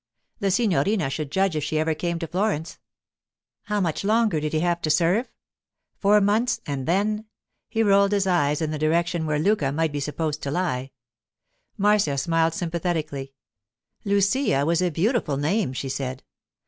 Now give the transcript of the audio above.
The signorina should judge if she ever came to Florence. How much longer did he have to serve? Four months, and then!—He rolled his eyes in the direction where Lucca might be supposed to lie. Marcia smiled sympathetically. Lucia was a beautiful name, she said.